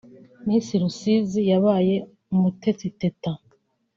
Miss Rusizi yabaye Umutesi Teta